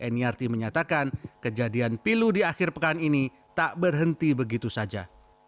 nirt menyatakan kejadian pilu di akhir pekan ini tak berhenti begitu saja